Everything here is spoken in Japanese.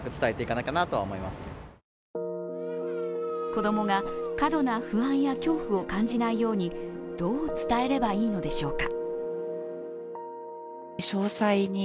子供が過度な不安や恐怖を感じないように、どう伝えればよいのでしょうか？